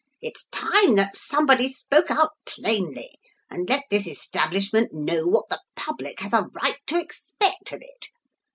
It's time that somebody spoke out plainly and let this establishment know what the public has a right to expect of it.